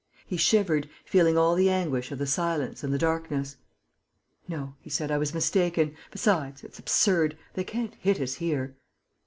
He shivered, feeling all the anguish of the silence and the darkness. "No," he said, "I was mistaken.... Besides, it's absurd.... They can't hit us here."